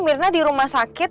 mirna di rumah sakit